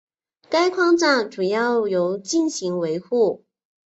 该框架主要由进行维护。